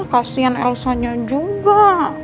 kasian elsonnya juga